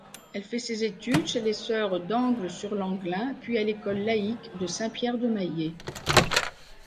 Elle fait ses études chez les sœurs d'Angles-sur-l'Anglin puis à l'école laïque de Saint-Pierre-de-Maillé.